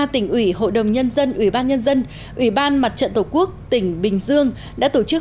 ba tỉnh ủy hội đồng nhân dân ủy ban nhân dân ủy ban mặt trận tổ quốc tỉnh bình dương đã tổ chức